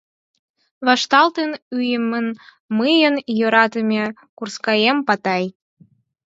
...Вашталтын, уэмын мыйын йӧратыме курскаем, Патай!..